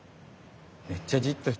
めっちゃじっと。